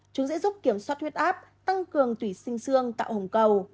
chúng sẽ giúp kiểm soát huyết áp tăng cường tủy sinh xương tạo hồng cầu